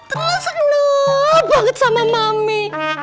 terus senang banget sama mami